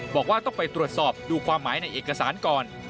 บอกว่าต้องไปตรวจสอบดูความหมายในเอกสารก่อน